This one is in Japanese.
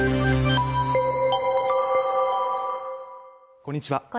こんにちは